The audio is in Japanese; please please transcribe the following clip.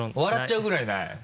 笑っちゃうぐらいない？